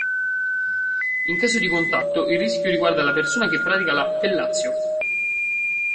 In caso di contatto, il rischio riguarda la persona che pratica la "fellatio".